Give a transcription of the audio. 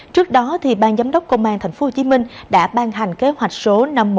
trước đó ban giám đốc công an thành phố hồ chí minh đã ban hành kế hoạch số năm nghìn một trăm sáu mươi năm